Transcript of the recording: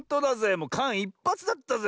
もうかんいっぱつだったぜ。